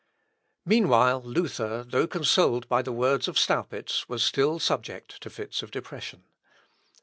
Meanwhile, Luther, though consoled by the words of Staupitz was still subject to fits of depression.